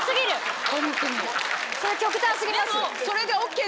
それ極端過ぎます。